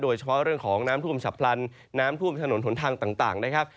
โดยเฉพาะเรื่องของน้ำท่วมฉับพลันน้ำท่วมถนนหนทางต่างนะครับ